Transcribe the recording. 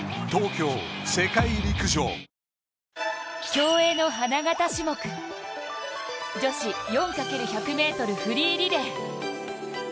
競泳の花形種目、女子４×１００ｍフリーリレー。